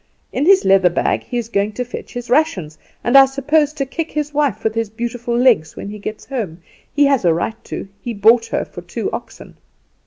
In his leather bag he is going to fetch his rations, and I suppose to kick his wife with his beautiful legs when he gets home. He has a right to; he bought her for two oxen.